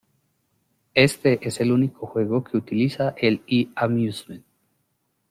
Este es el único juego que utiliza e-Amusement.